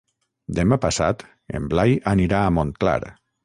Demà passat en Blai anirà a Montclar.